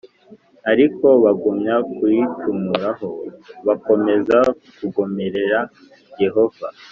Ariko bagumya kuyicumuraho bakomeza Kugomerera yehova